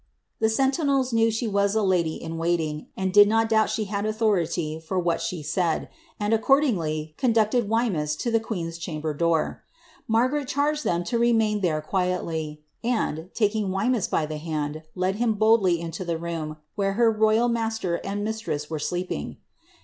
The Fenrinela knew she was the lady in «ailing, and did not donbl slif had authority for what she said, and accordingly conducted Weinvs w ihe queen's charaber door. Margaret charged ihem to remain lliere quicily, and, taking Wemys by the hand, led him boldly into the room, where her royal master and mistress were sleeping.